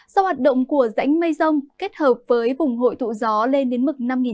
do hoạt động của rãnh mây rông kết hợp với vùng hội thụ gió lên đến mực năm m